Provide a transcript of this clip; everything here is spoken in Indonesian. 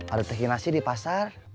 ada tekinasi di pasar